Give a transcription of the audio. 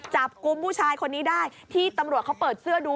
จับกลุ่มผู้ชายคนนี้ได้ที่ตำรวจเขาเปิดเสื้อดู